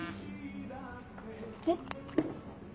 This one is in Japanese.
えっ？